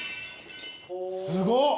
すごっ。